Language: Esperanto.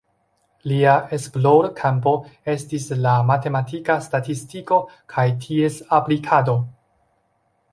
Lia esplorkampo estis la matematika statistiko kaj ties aplikado.